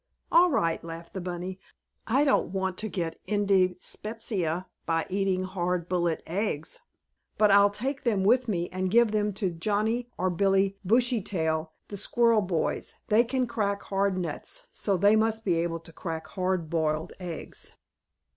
"All right," laughed the bunny. "I don't want to get indyspepsia by eating hard bullet eggs. But I'll take them with me and give them to Johnnie or Billie Bushytail, the squirrel boys. They can crack hard nuts so they must be able to crack hard boiled eggs."